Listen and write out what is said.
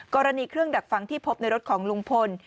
กรณีเครื่องดักฟังที่พบในรถของลุงพล